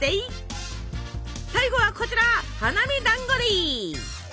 最後はこちら花見だんごでぃ！